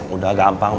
udah gampang bro